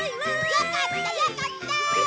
よかったよかった！